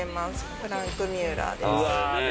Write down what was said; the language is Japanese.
フランクミュラーです。